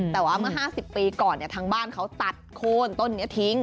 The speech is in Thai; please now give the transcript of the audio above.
แต่ว่าเมื่อ๕๐ปีก่อนทางบ้านเขาตัดโคนต้นนี้ทิ้ง